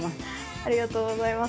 ありがとうございます。